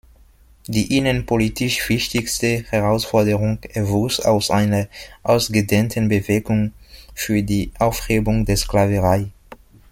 Die innenpolitisch wichtigste Herausforderung erwuchs aus einer ausgedehnten Bewegung für die Aufhebung der Sklaverei.